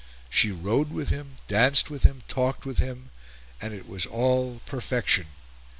She rode with him, danced with him, talked with him, and it was all perfection.